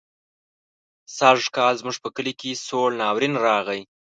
سږکال زموږ په کلي کې سوړ ناورين راغی.